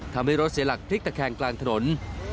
ทำให้รถเสียหลักพลิกตะแคงกลางถนน